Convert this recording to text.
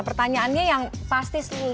pertanyaannya yang pasti selalu